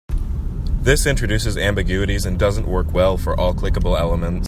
This introduces ambiguities and doesn't work well for all clickable elements.